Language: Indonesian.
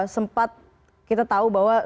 sempat kita tahu bahwa